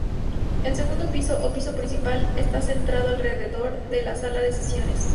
El segundo piso o piso principal está centrado alrededor de la Sala de Sesiones.